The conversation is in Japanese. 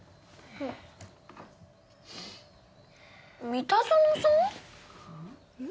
三田園さん？